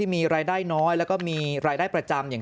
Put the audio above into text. มีรายได้น้อยและเรื่องมีรายได้ประจำ